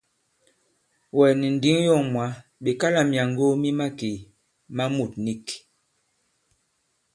Wɛ̀ nì ǹndǐŋ yɔ̂ŋ mwǎ ɓe kalā myàŋgo mi màkè ma mût nīk.